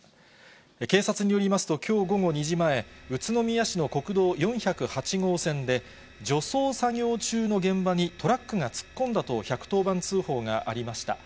警察によりますと、きょう午後２時前、宇都宮市の国道４０８号線で、除草作業中の現場に、トラックが突っ込んだと１１０番通報がありました。